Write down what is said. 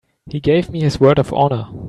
He gave me his word of honor.